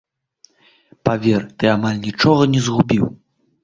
Павер, ты амаль нічога не згубіў!